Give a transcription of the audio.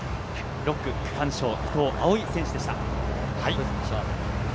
６区区間賞、伊藤蒼唯選手でした。